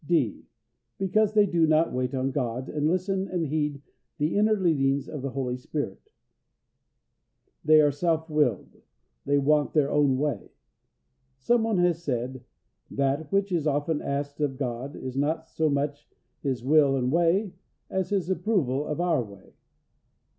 (d) Because they do not wait on God, and listen and heed the inner leadings of the Holy Spirit. They are self willed; they want their own way. Some one has said, "That which is often asked of God is not so much His will and way, as His approval of our way."